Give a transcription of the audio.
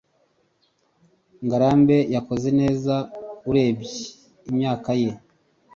ngarambe yakoze neza urebye imyaka ye